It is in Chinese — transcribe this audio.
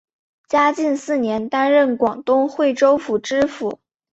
嘉靖四年担任广东惠州府知府。